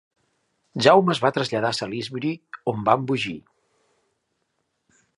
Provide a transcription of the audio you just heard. Jaume es va traslladar a Salisbury on va embogir.